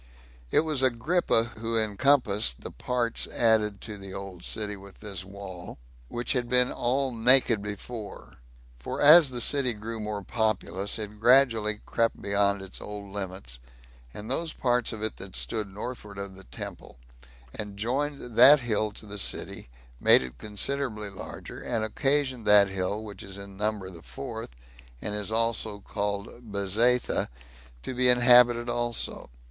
It was Agrippa who encompassed the parts added to the old city with this wall, which had been all naked before; for as the city grew more populous, it gradually crept beyond its old limits, and those parts of it that stood northward of the temple, and joined that hill to the city, made it considerably larger, and occasioned that hill, which is in number the fourth, and is called "Bezetha," to be inhabited also.